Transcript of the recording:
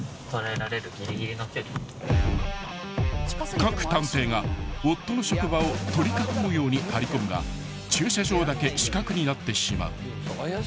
［各探偵が夫の職場を取り囲むように張り込むが駐車場だけ死角になってしまう］